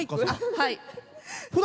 はい。